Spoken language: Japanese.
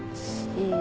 うん。